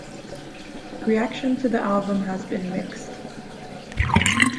Reaction to the album has been mixed.